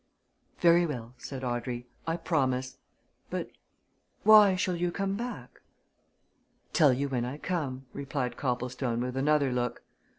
"Very well," said Audrey, "I promise. But why shall you come back?" "Tell you when I come," replied Copplestone with another look.